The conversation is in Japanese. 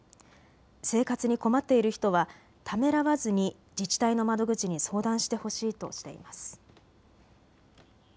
生活に困っている人はためらわずに自治体の窓口に相談してほしいとしています。